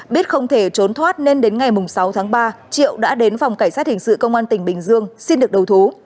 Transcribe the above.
biết không thể trốn thoát nên đến ngày sáu tháng ba triệu đã đến phòng cảnh sát hình sự công an tỉnh bình dương xin được đầu thú